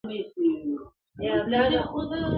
د عمر په حساب مي ستړي کړي دي مزلونه٫